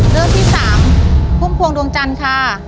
เรื่องที่๓พุ่มพวงดวงจันทร์ค่ะ